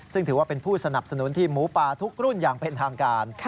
ซึ่งถือว่าเป็นผู้สนับสนุนทีมหมูป่าทุกรุ่นอย่างเป็นทางการ